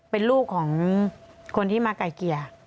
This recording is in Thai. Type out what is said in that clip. เป็นลูกของคนที่มาไก่เกลี่ย